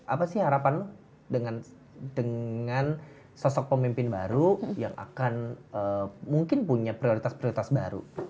apa sih harapan dengan sosok pemimpin baru yang akan mungkin punya prioritas prioritas baru